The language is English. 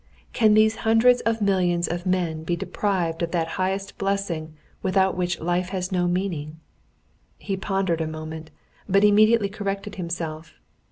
"Can these hundreds of millions of men be deprived of that highest blessing without which life has no meaning?" He pondered a moment, but immediately corrected himself.